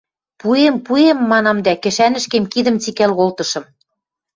– Пуэм, пуэм! – манам дӓ кӹшӓнӹшкем кидӹм цикӓл колтышым.